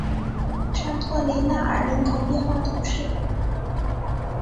沙托雷纳尔人口变化图示